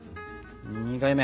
２回目。